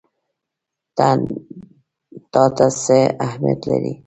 تا ته څه اهمیت لري؟